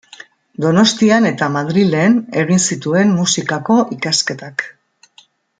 Donostian eta Madrilen egin zituen Musikako ikasketak.